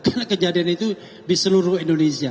karena kejadian itu di seluruh indonesia